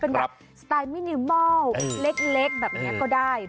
เป็นแบบสไตล์มินิมอลเล็กแบบนี้ก็ได้